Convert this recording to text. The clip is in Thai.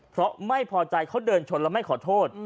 เพราะไม่พอใจเขาเดินชนแล้วไม่ขอโทษ